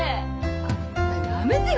あっやめてよ